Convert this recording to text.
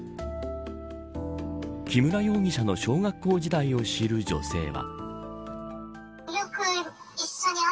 木村容疑者の小学校時代を知る女性は。